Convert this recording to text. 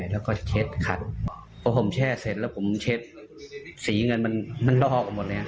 แล้วก็เช็ดขัดเพราะผมแช่เสร็จแล้วผมเช็ดสีเงินมันลอกออกหมดเลย